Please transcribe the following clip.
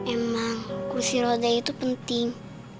emang kursi roda itu penting